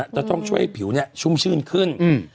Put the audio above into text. จะต้องช่วยผิวชุ่มชื่นขึ้น